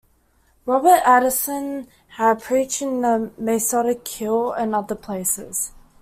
Robert Addison had preached in the Masonic Hall and other places.